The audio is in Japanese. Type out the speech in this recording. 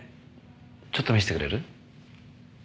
ちょっと見せてくれる？